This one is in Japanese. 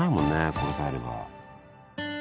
これさえあれば。